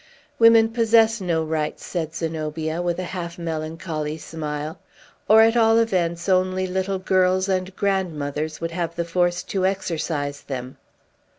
"Women possess no rights," said Zenobia, with a half melancholy smile; "or, at all events, only little girls and grandmothers would have the force to exercise them."